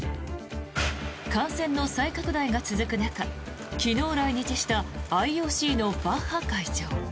感染の再拡大が続く中昨日来日したＩＯＣのバッハ会長。